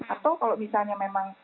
atau kalau misalnya memang